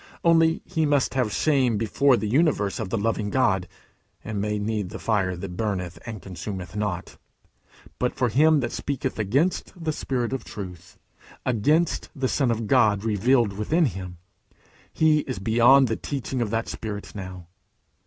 Only he must have shame before the universe of the loving God, and may need the fire that burneth and consumeth not. But for him that speaketh against the Spirit of Truth, against the Son of God revealed within him, he is beyond the teaching of that Spirit now.